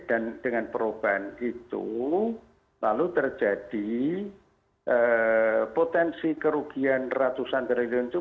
dan dengan perubahan itu lalu terjadi potensi kerugian ratusan triliun itu